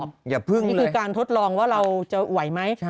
อย่าพึ่งเลยใช่ค่ะนี่คือการทดลองว่าเราจะไหวไหม